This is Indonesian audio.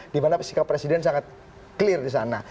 dimana sikap presiden sangat clear disana